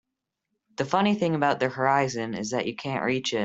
The funny thing about the horizon is that you can't reach it.